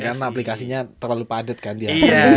karena aplikasinya terlalu padat kan dia